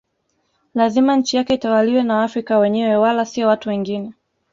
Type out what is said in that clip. Lazima nchi yake itawaliwe na waafrika wenyewe wala sio watu wengine